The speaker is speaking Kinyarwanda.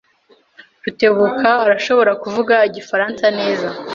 Rutebuka arashobora kuvuga igifaransa neza.